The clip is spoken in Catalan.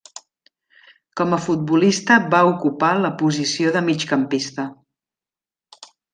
Com a futbolista va ocupar la posició de migcampista.